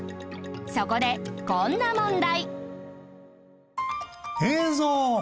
そこでこんな問題